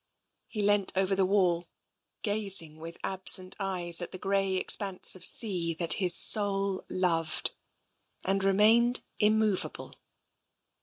He leant over the wall, gazing with absent eyes at the grey expanse of sea that his soul loved, and re mained immovable.